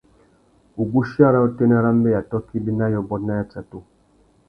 Wuguchia râ utênê râ mbeya tôkô ibi na yôbôt na yatsatu.